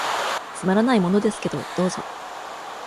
つまらないものですけど、どうぞ。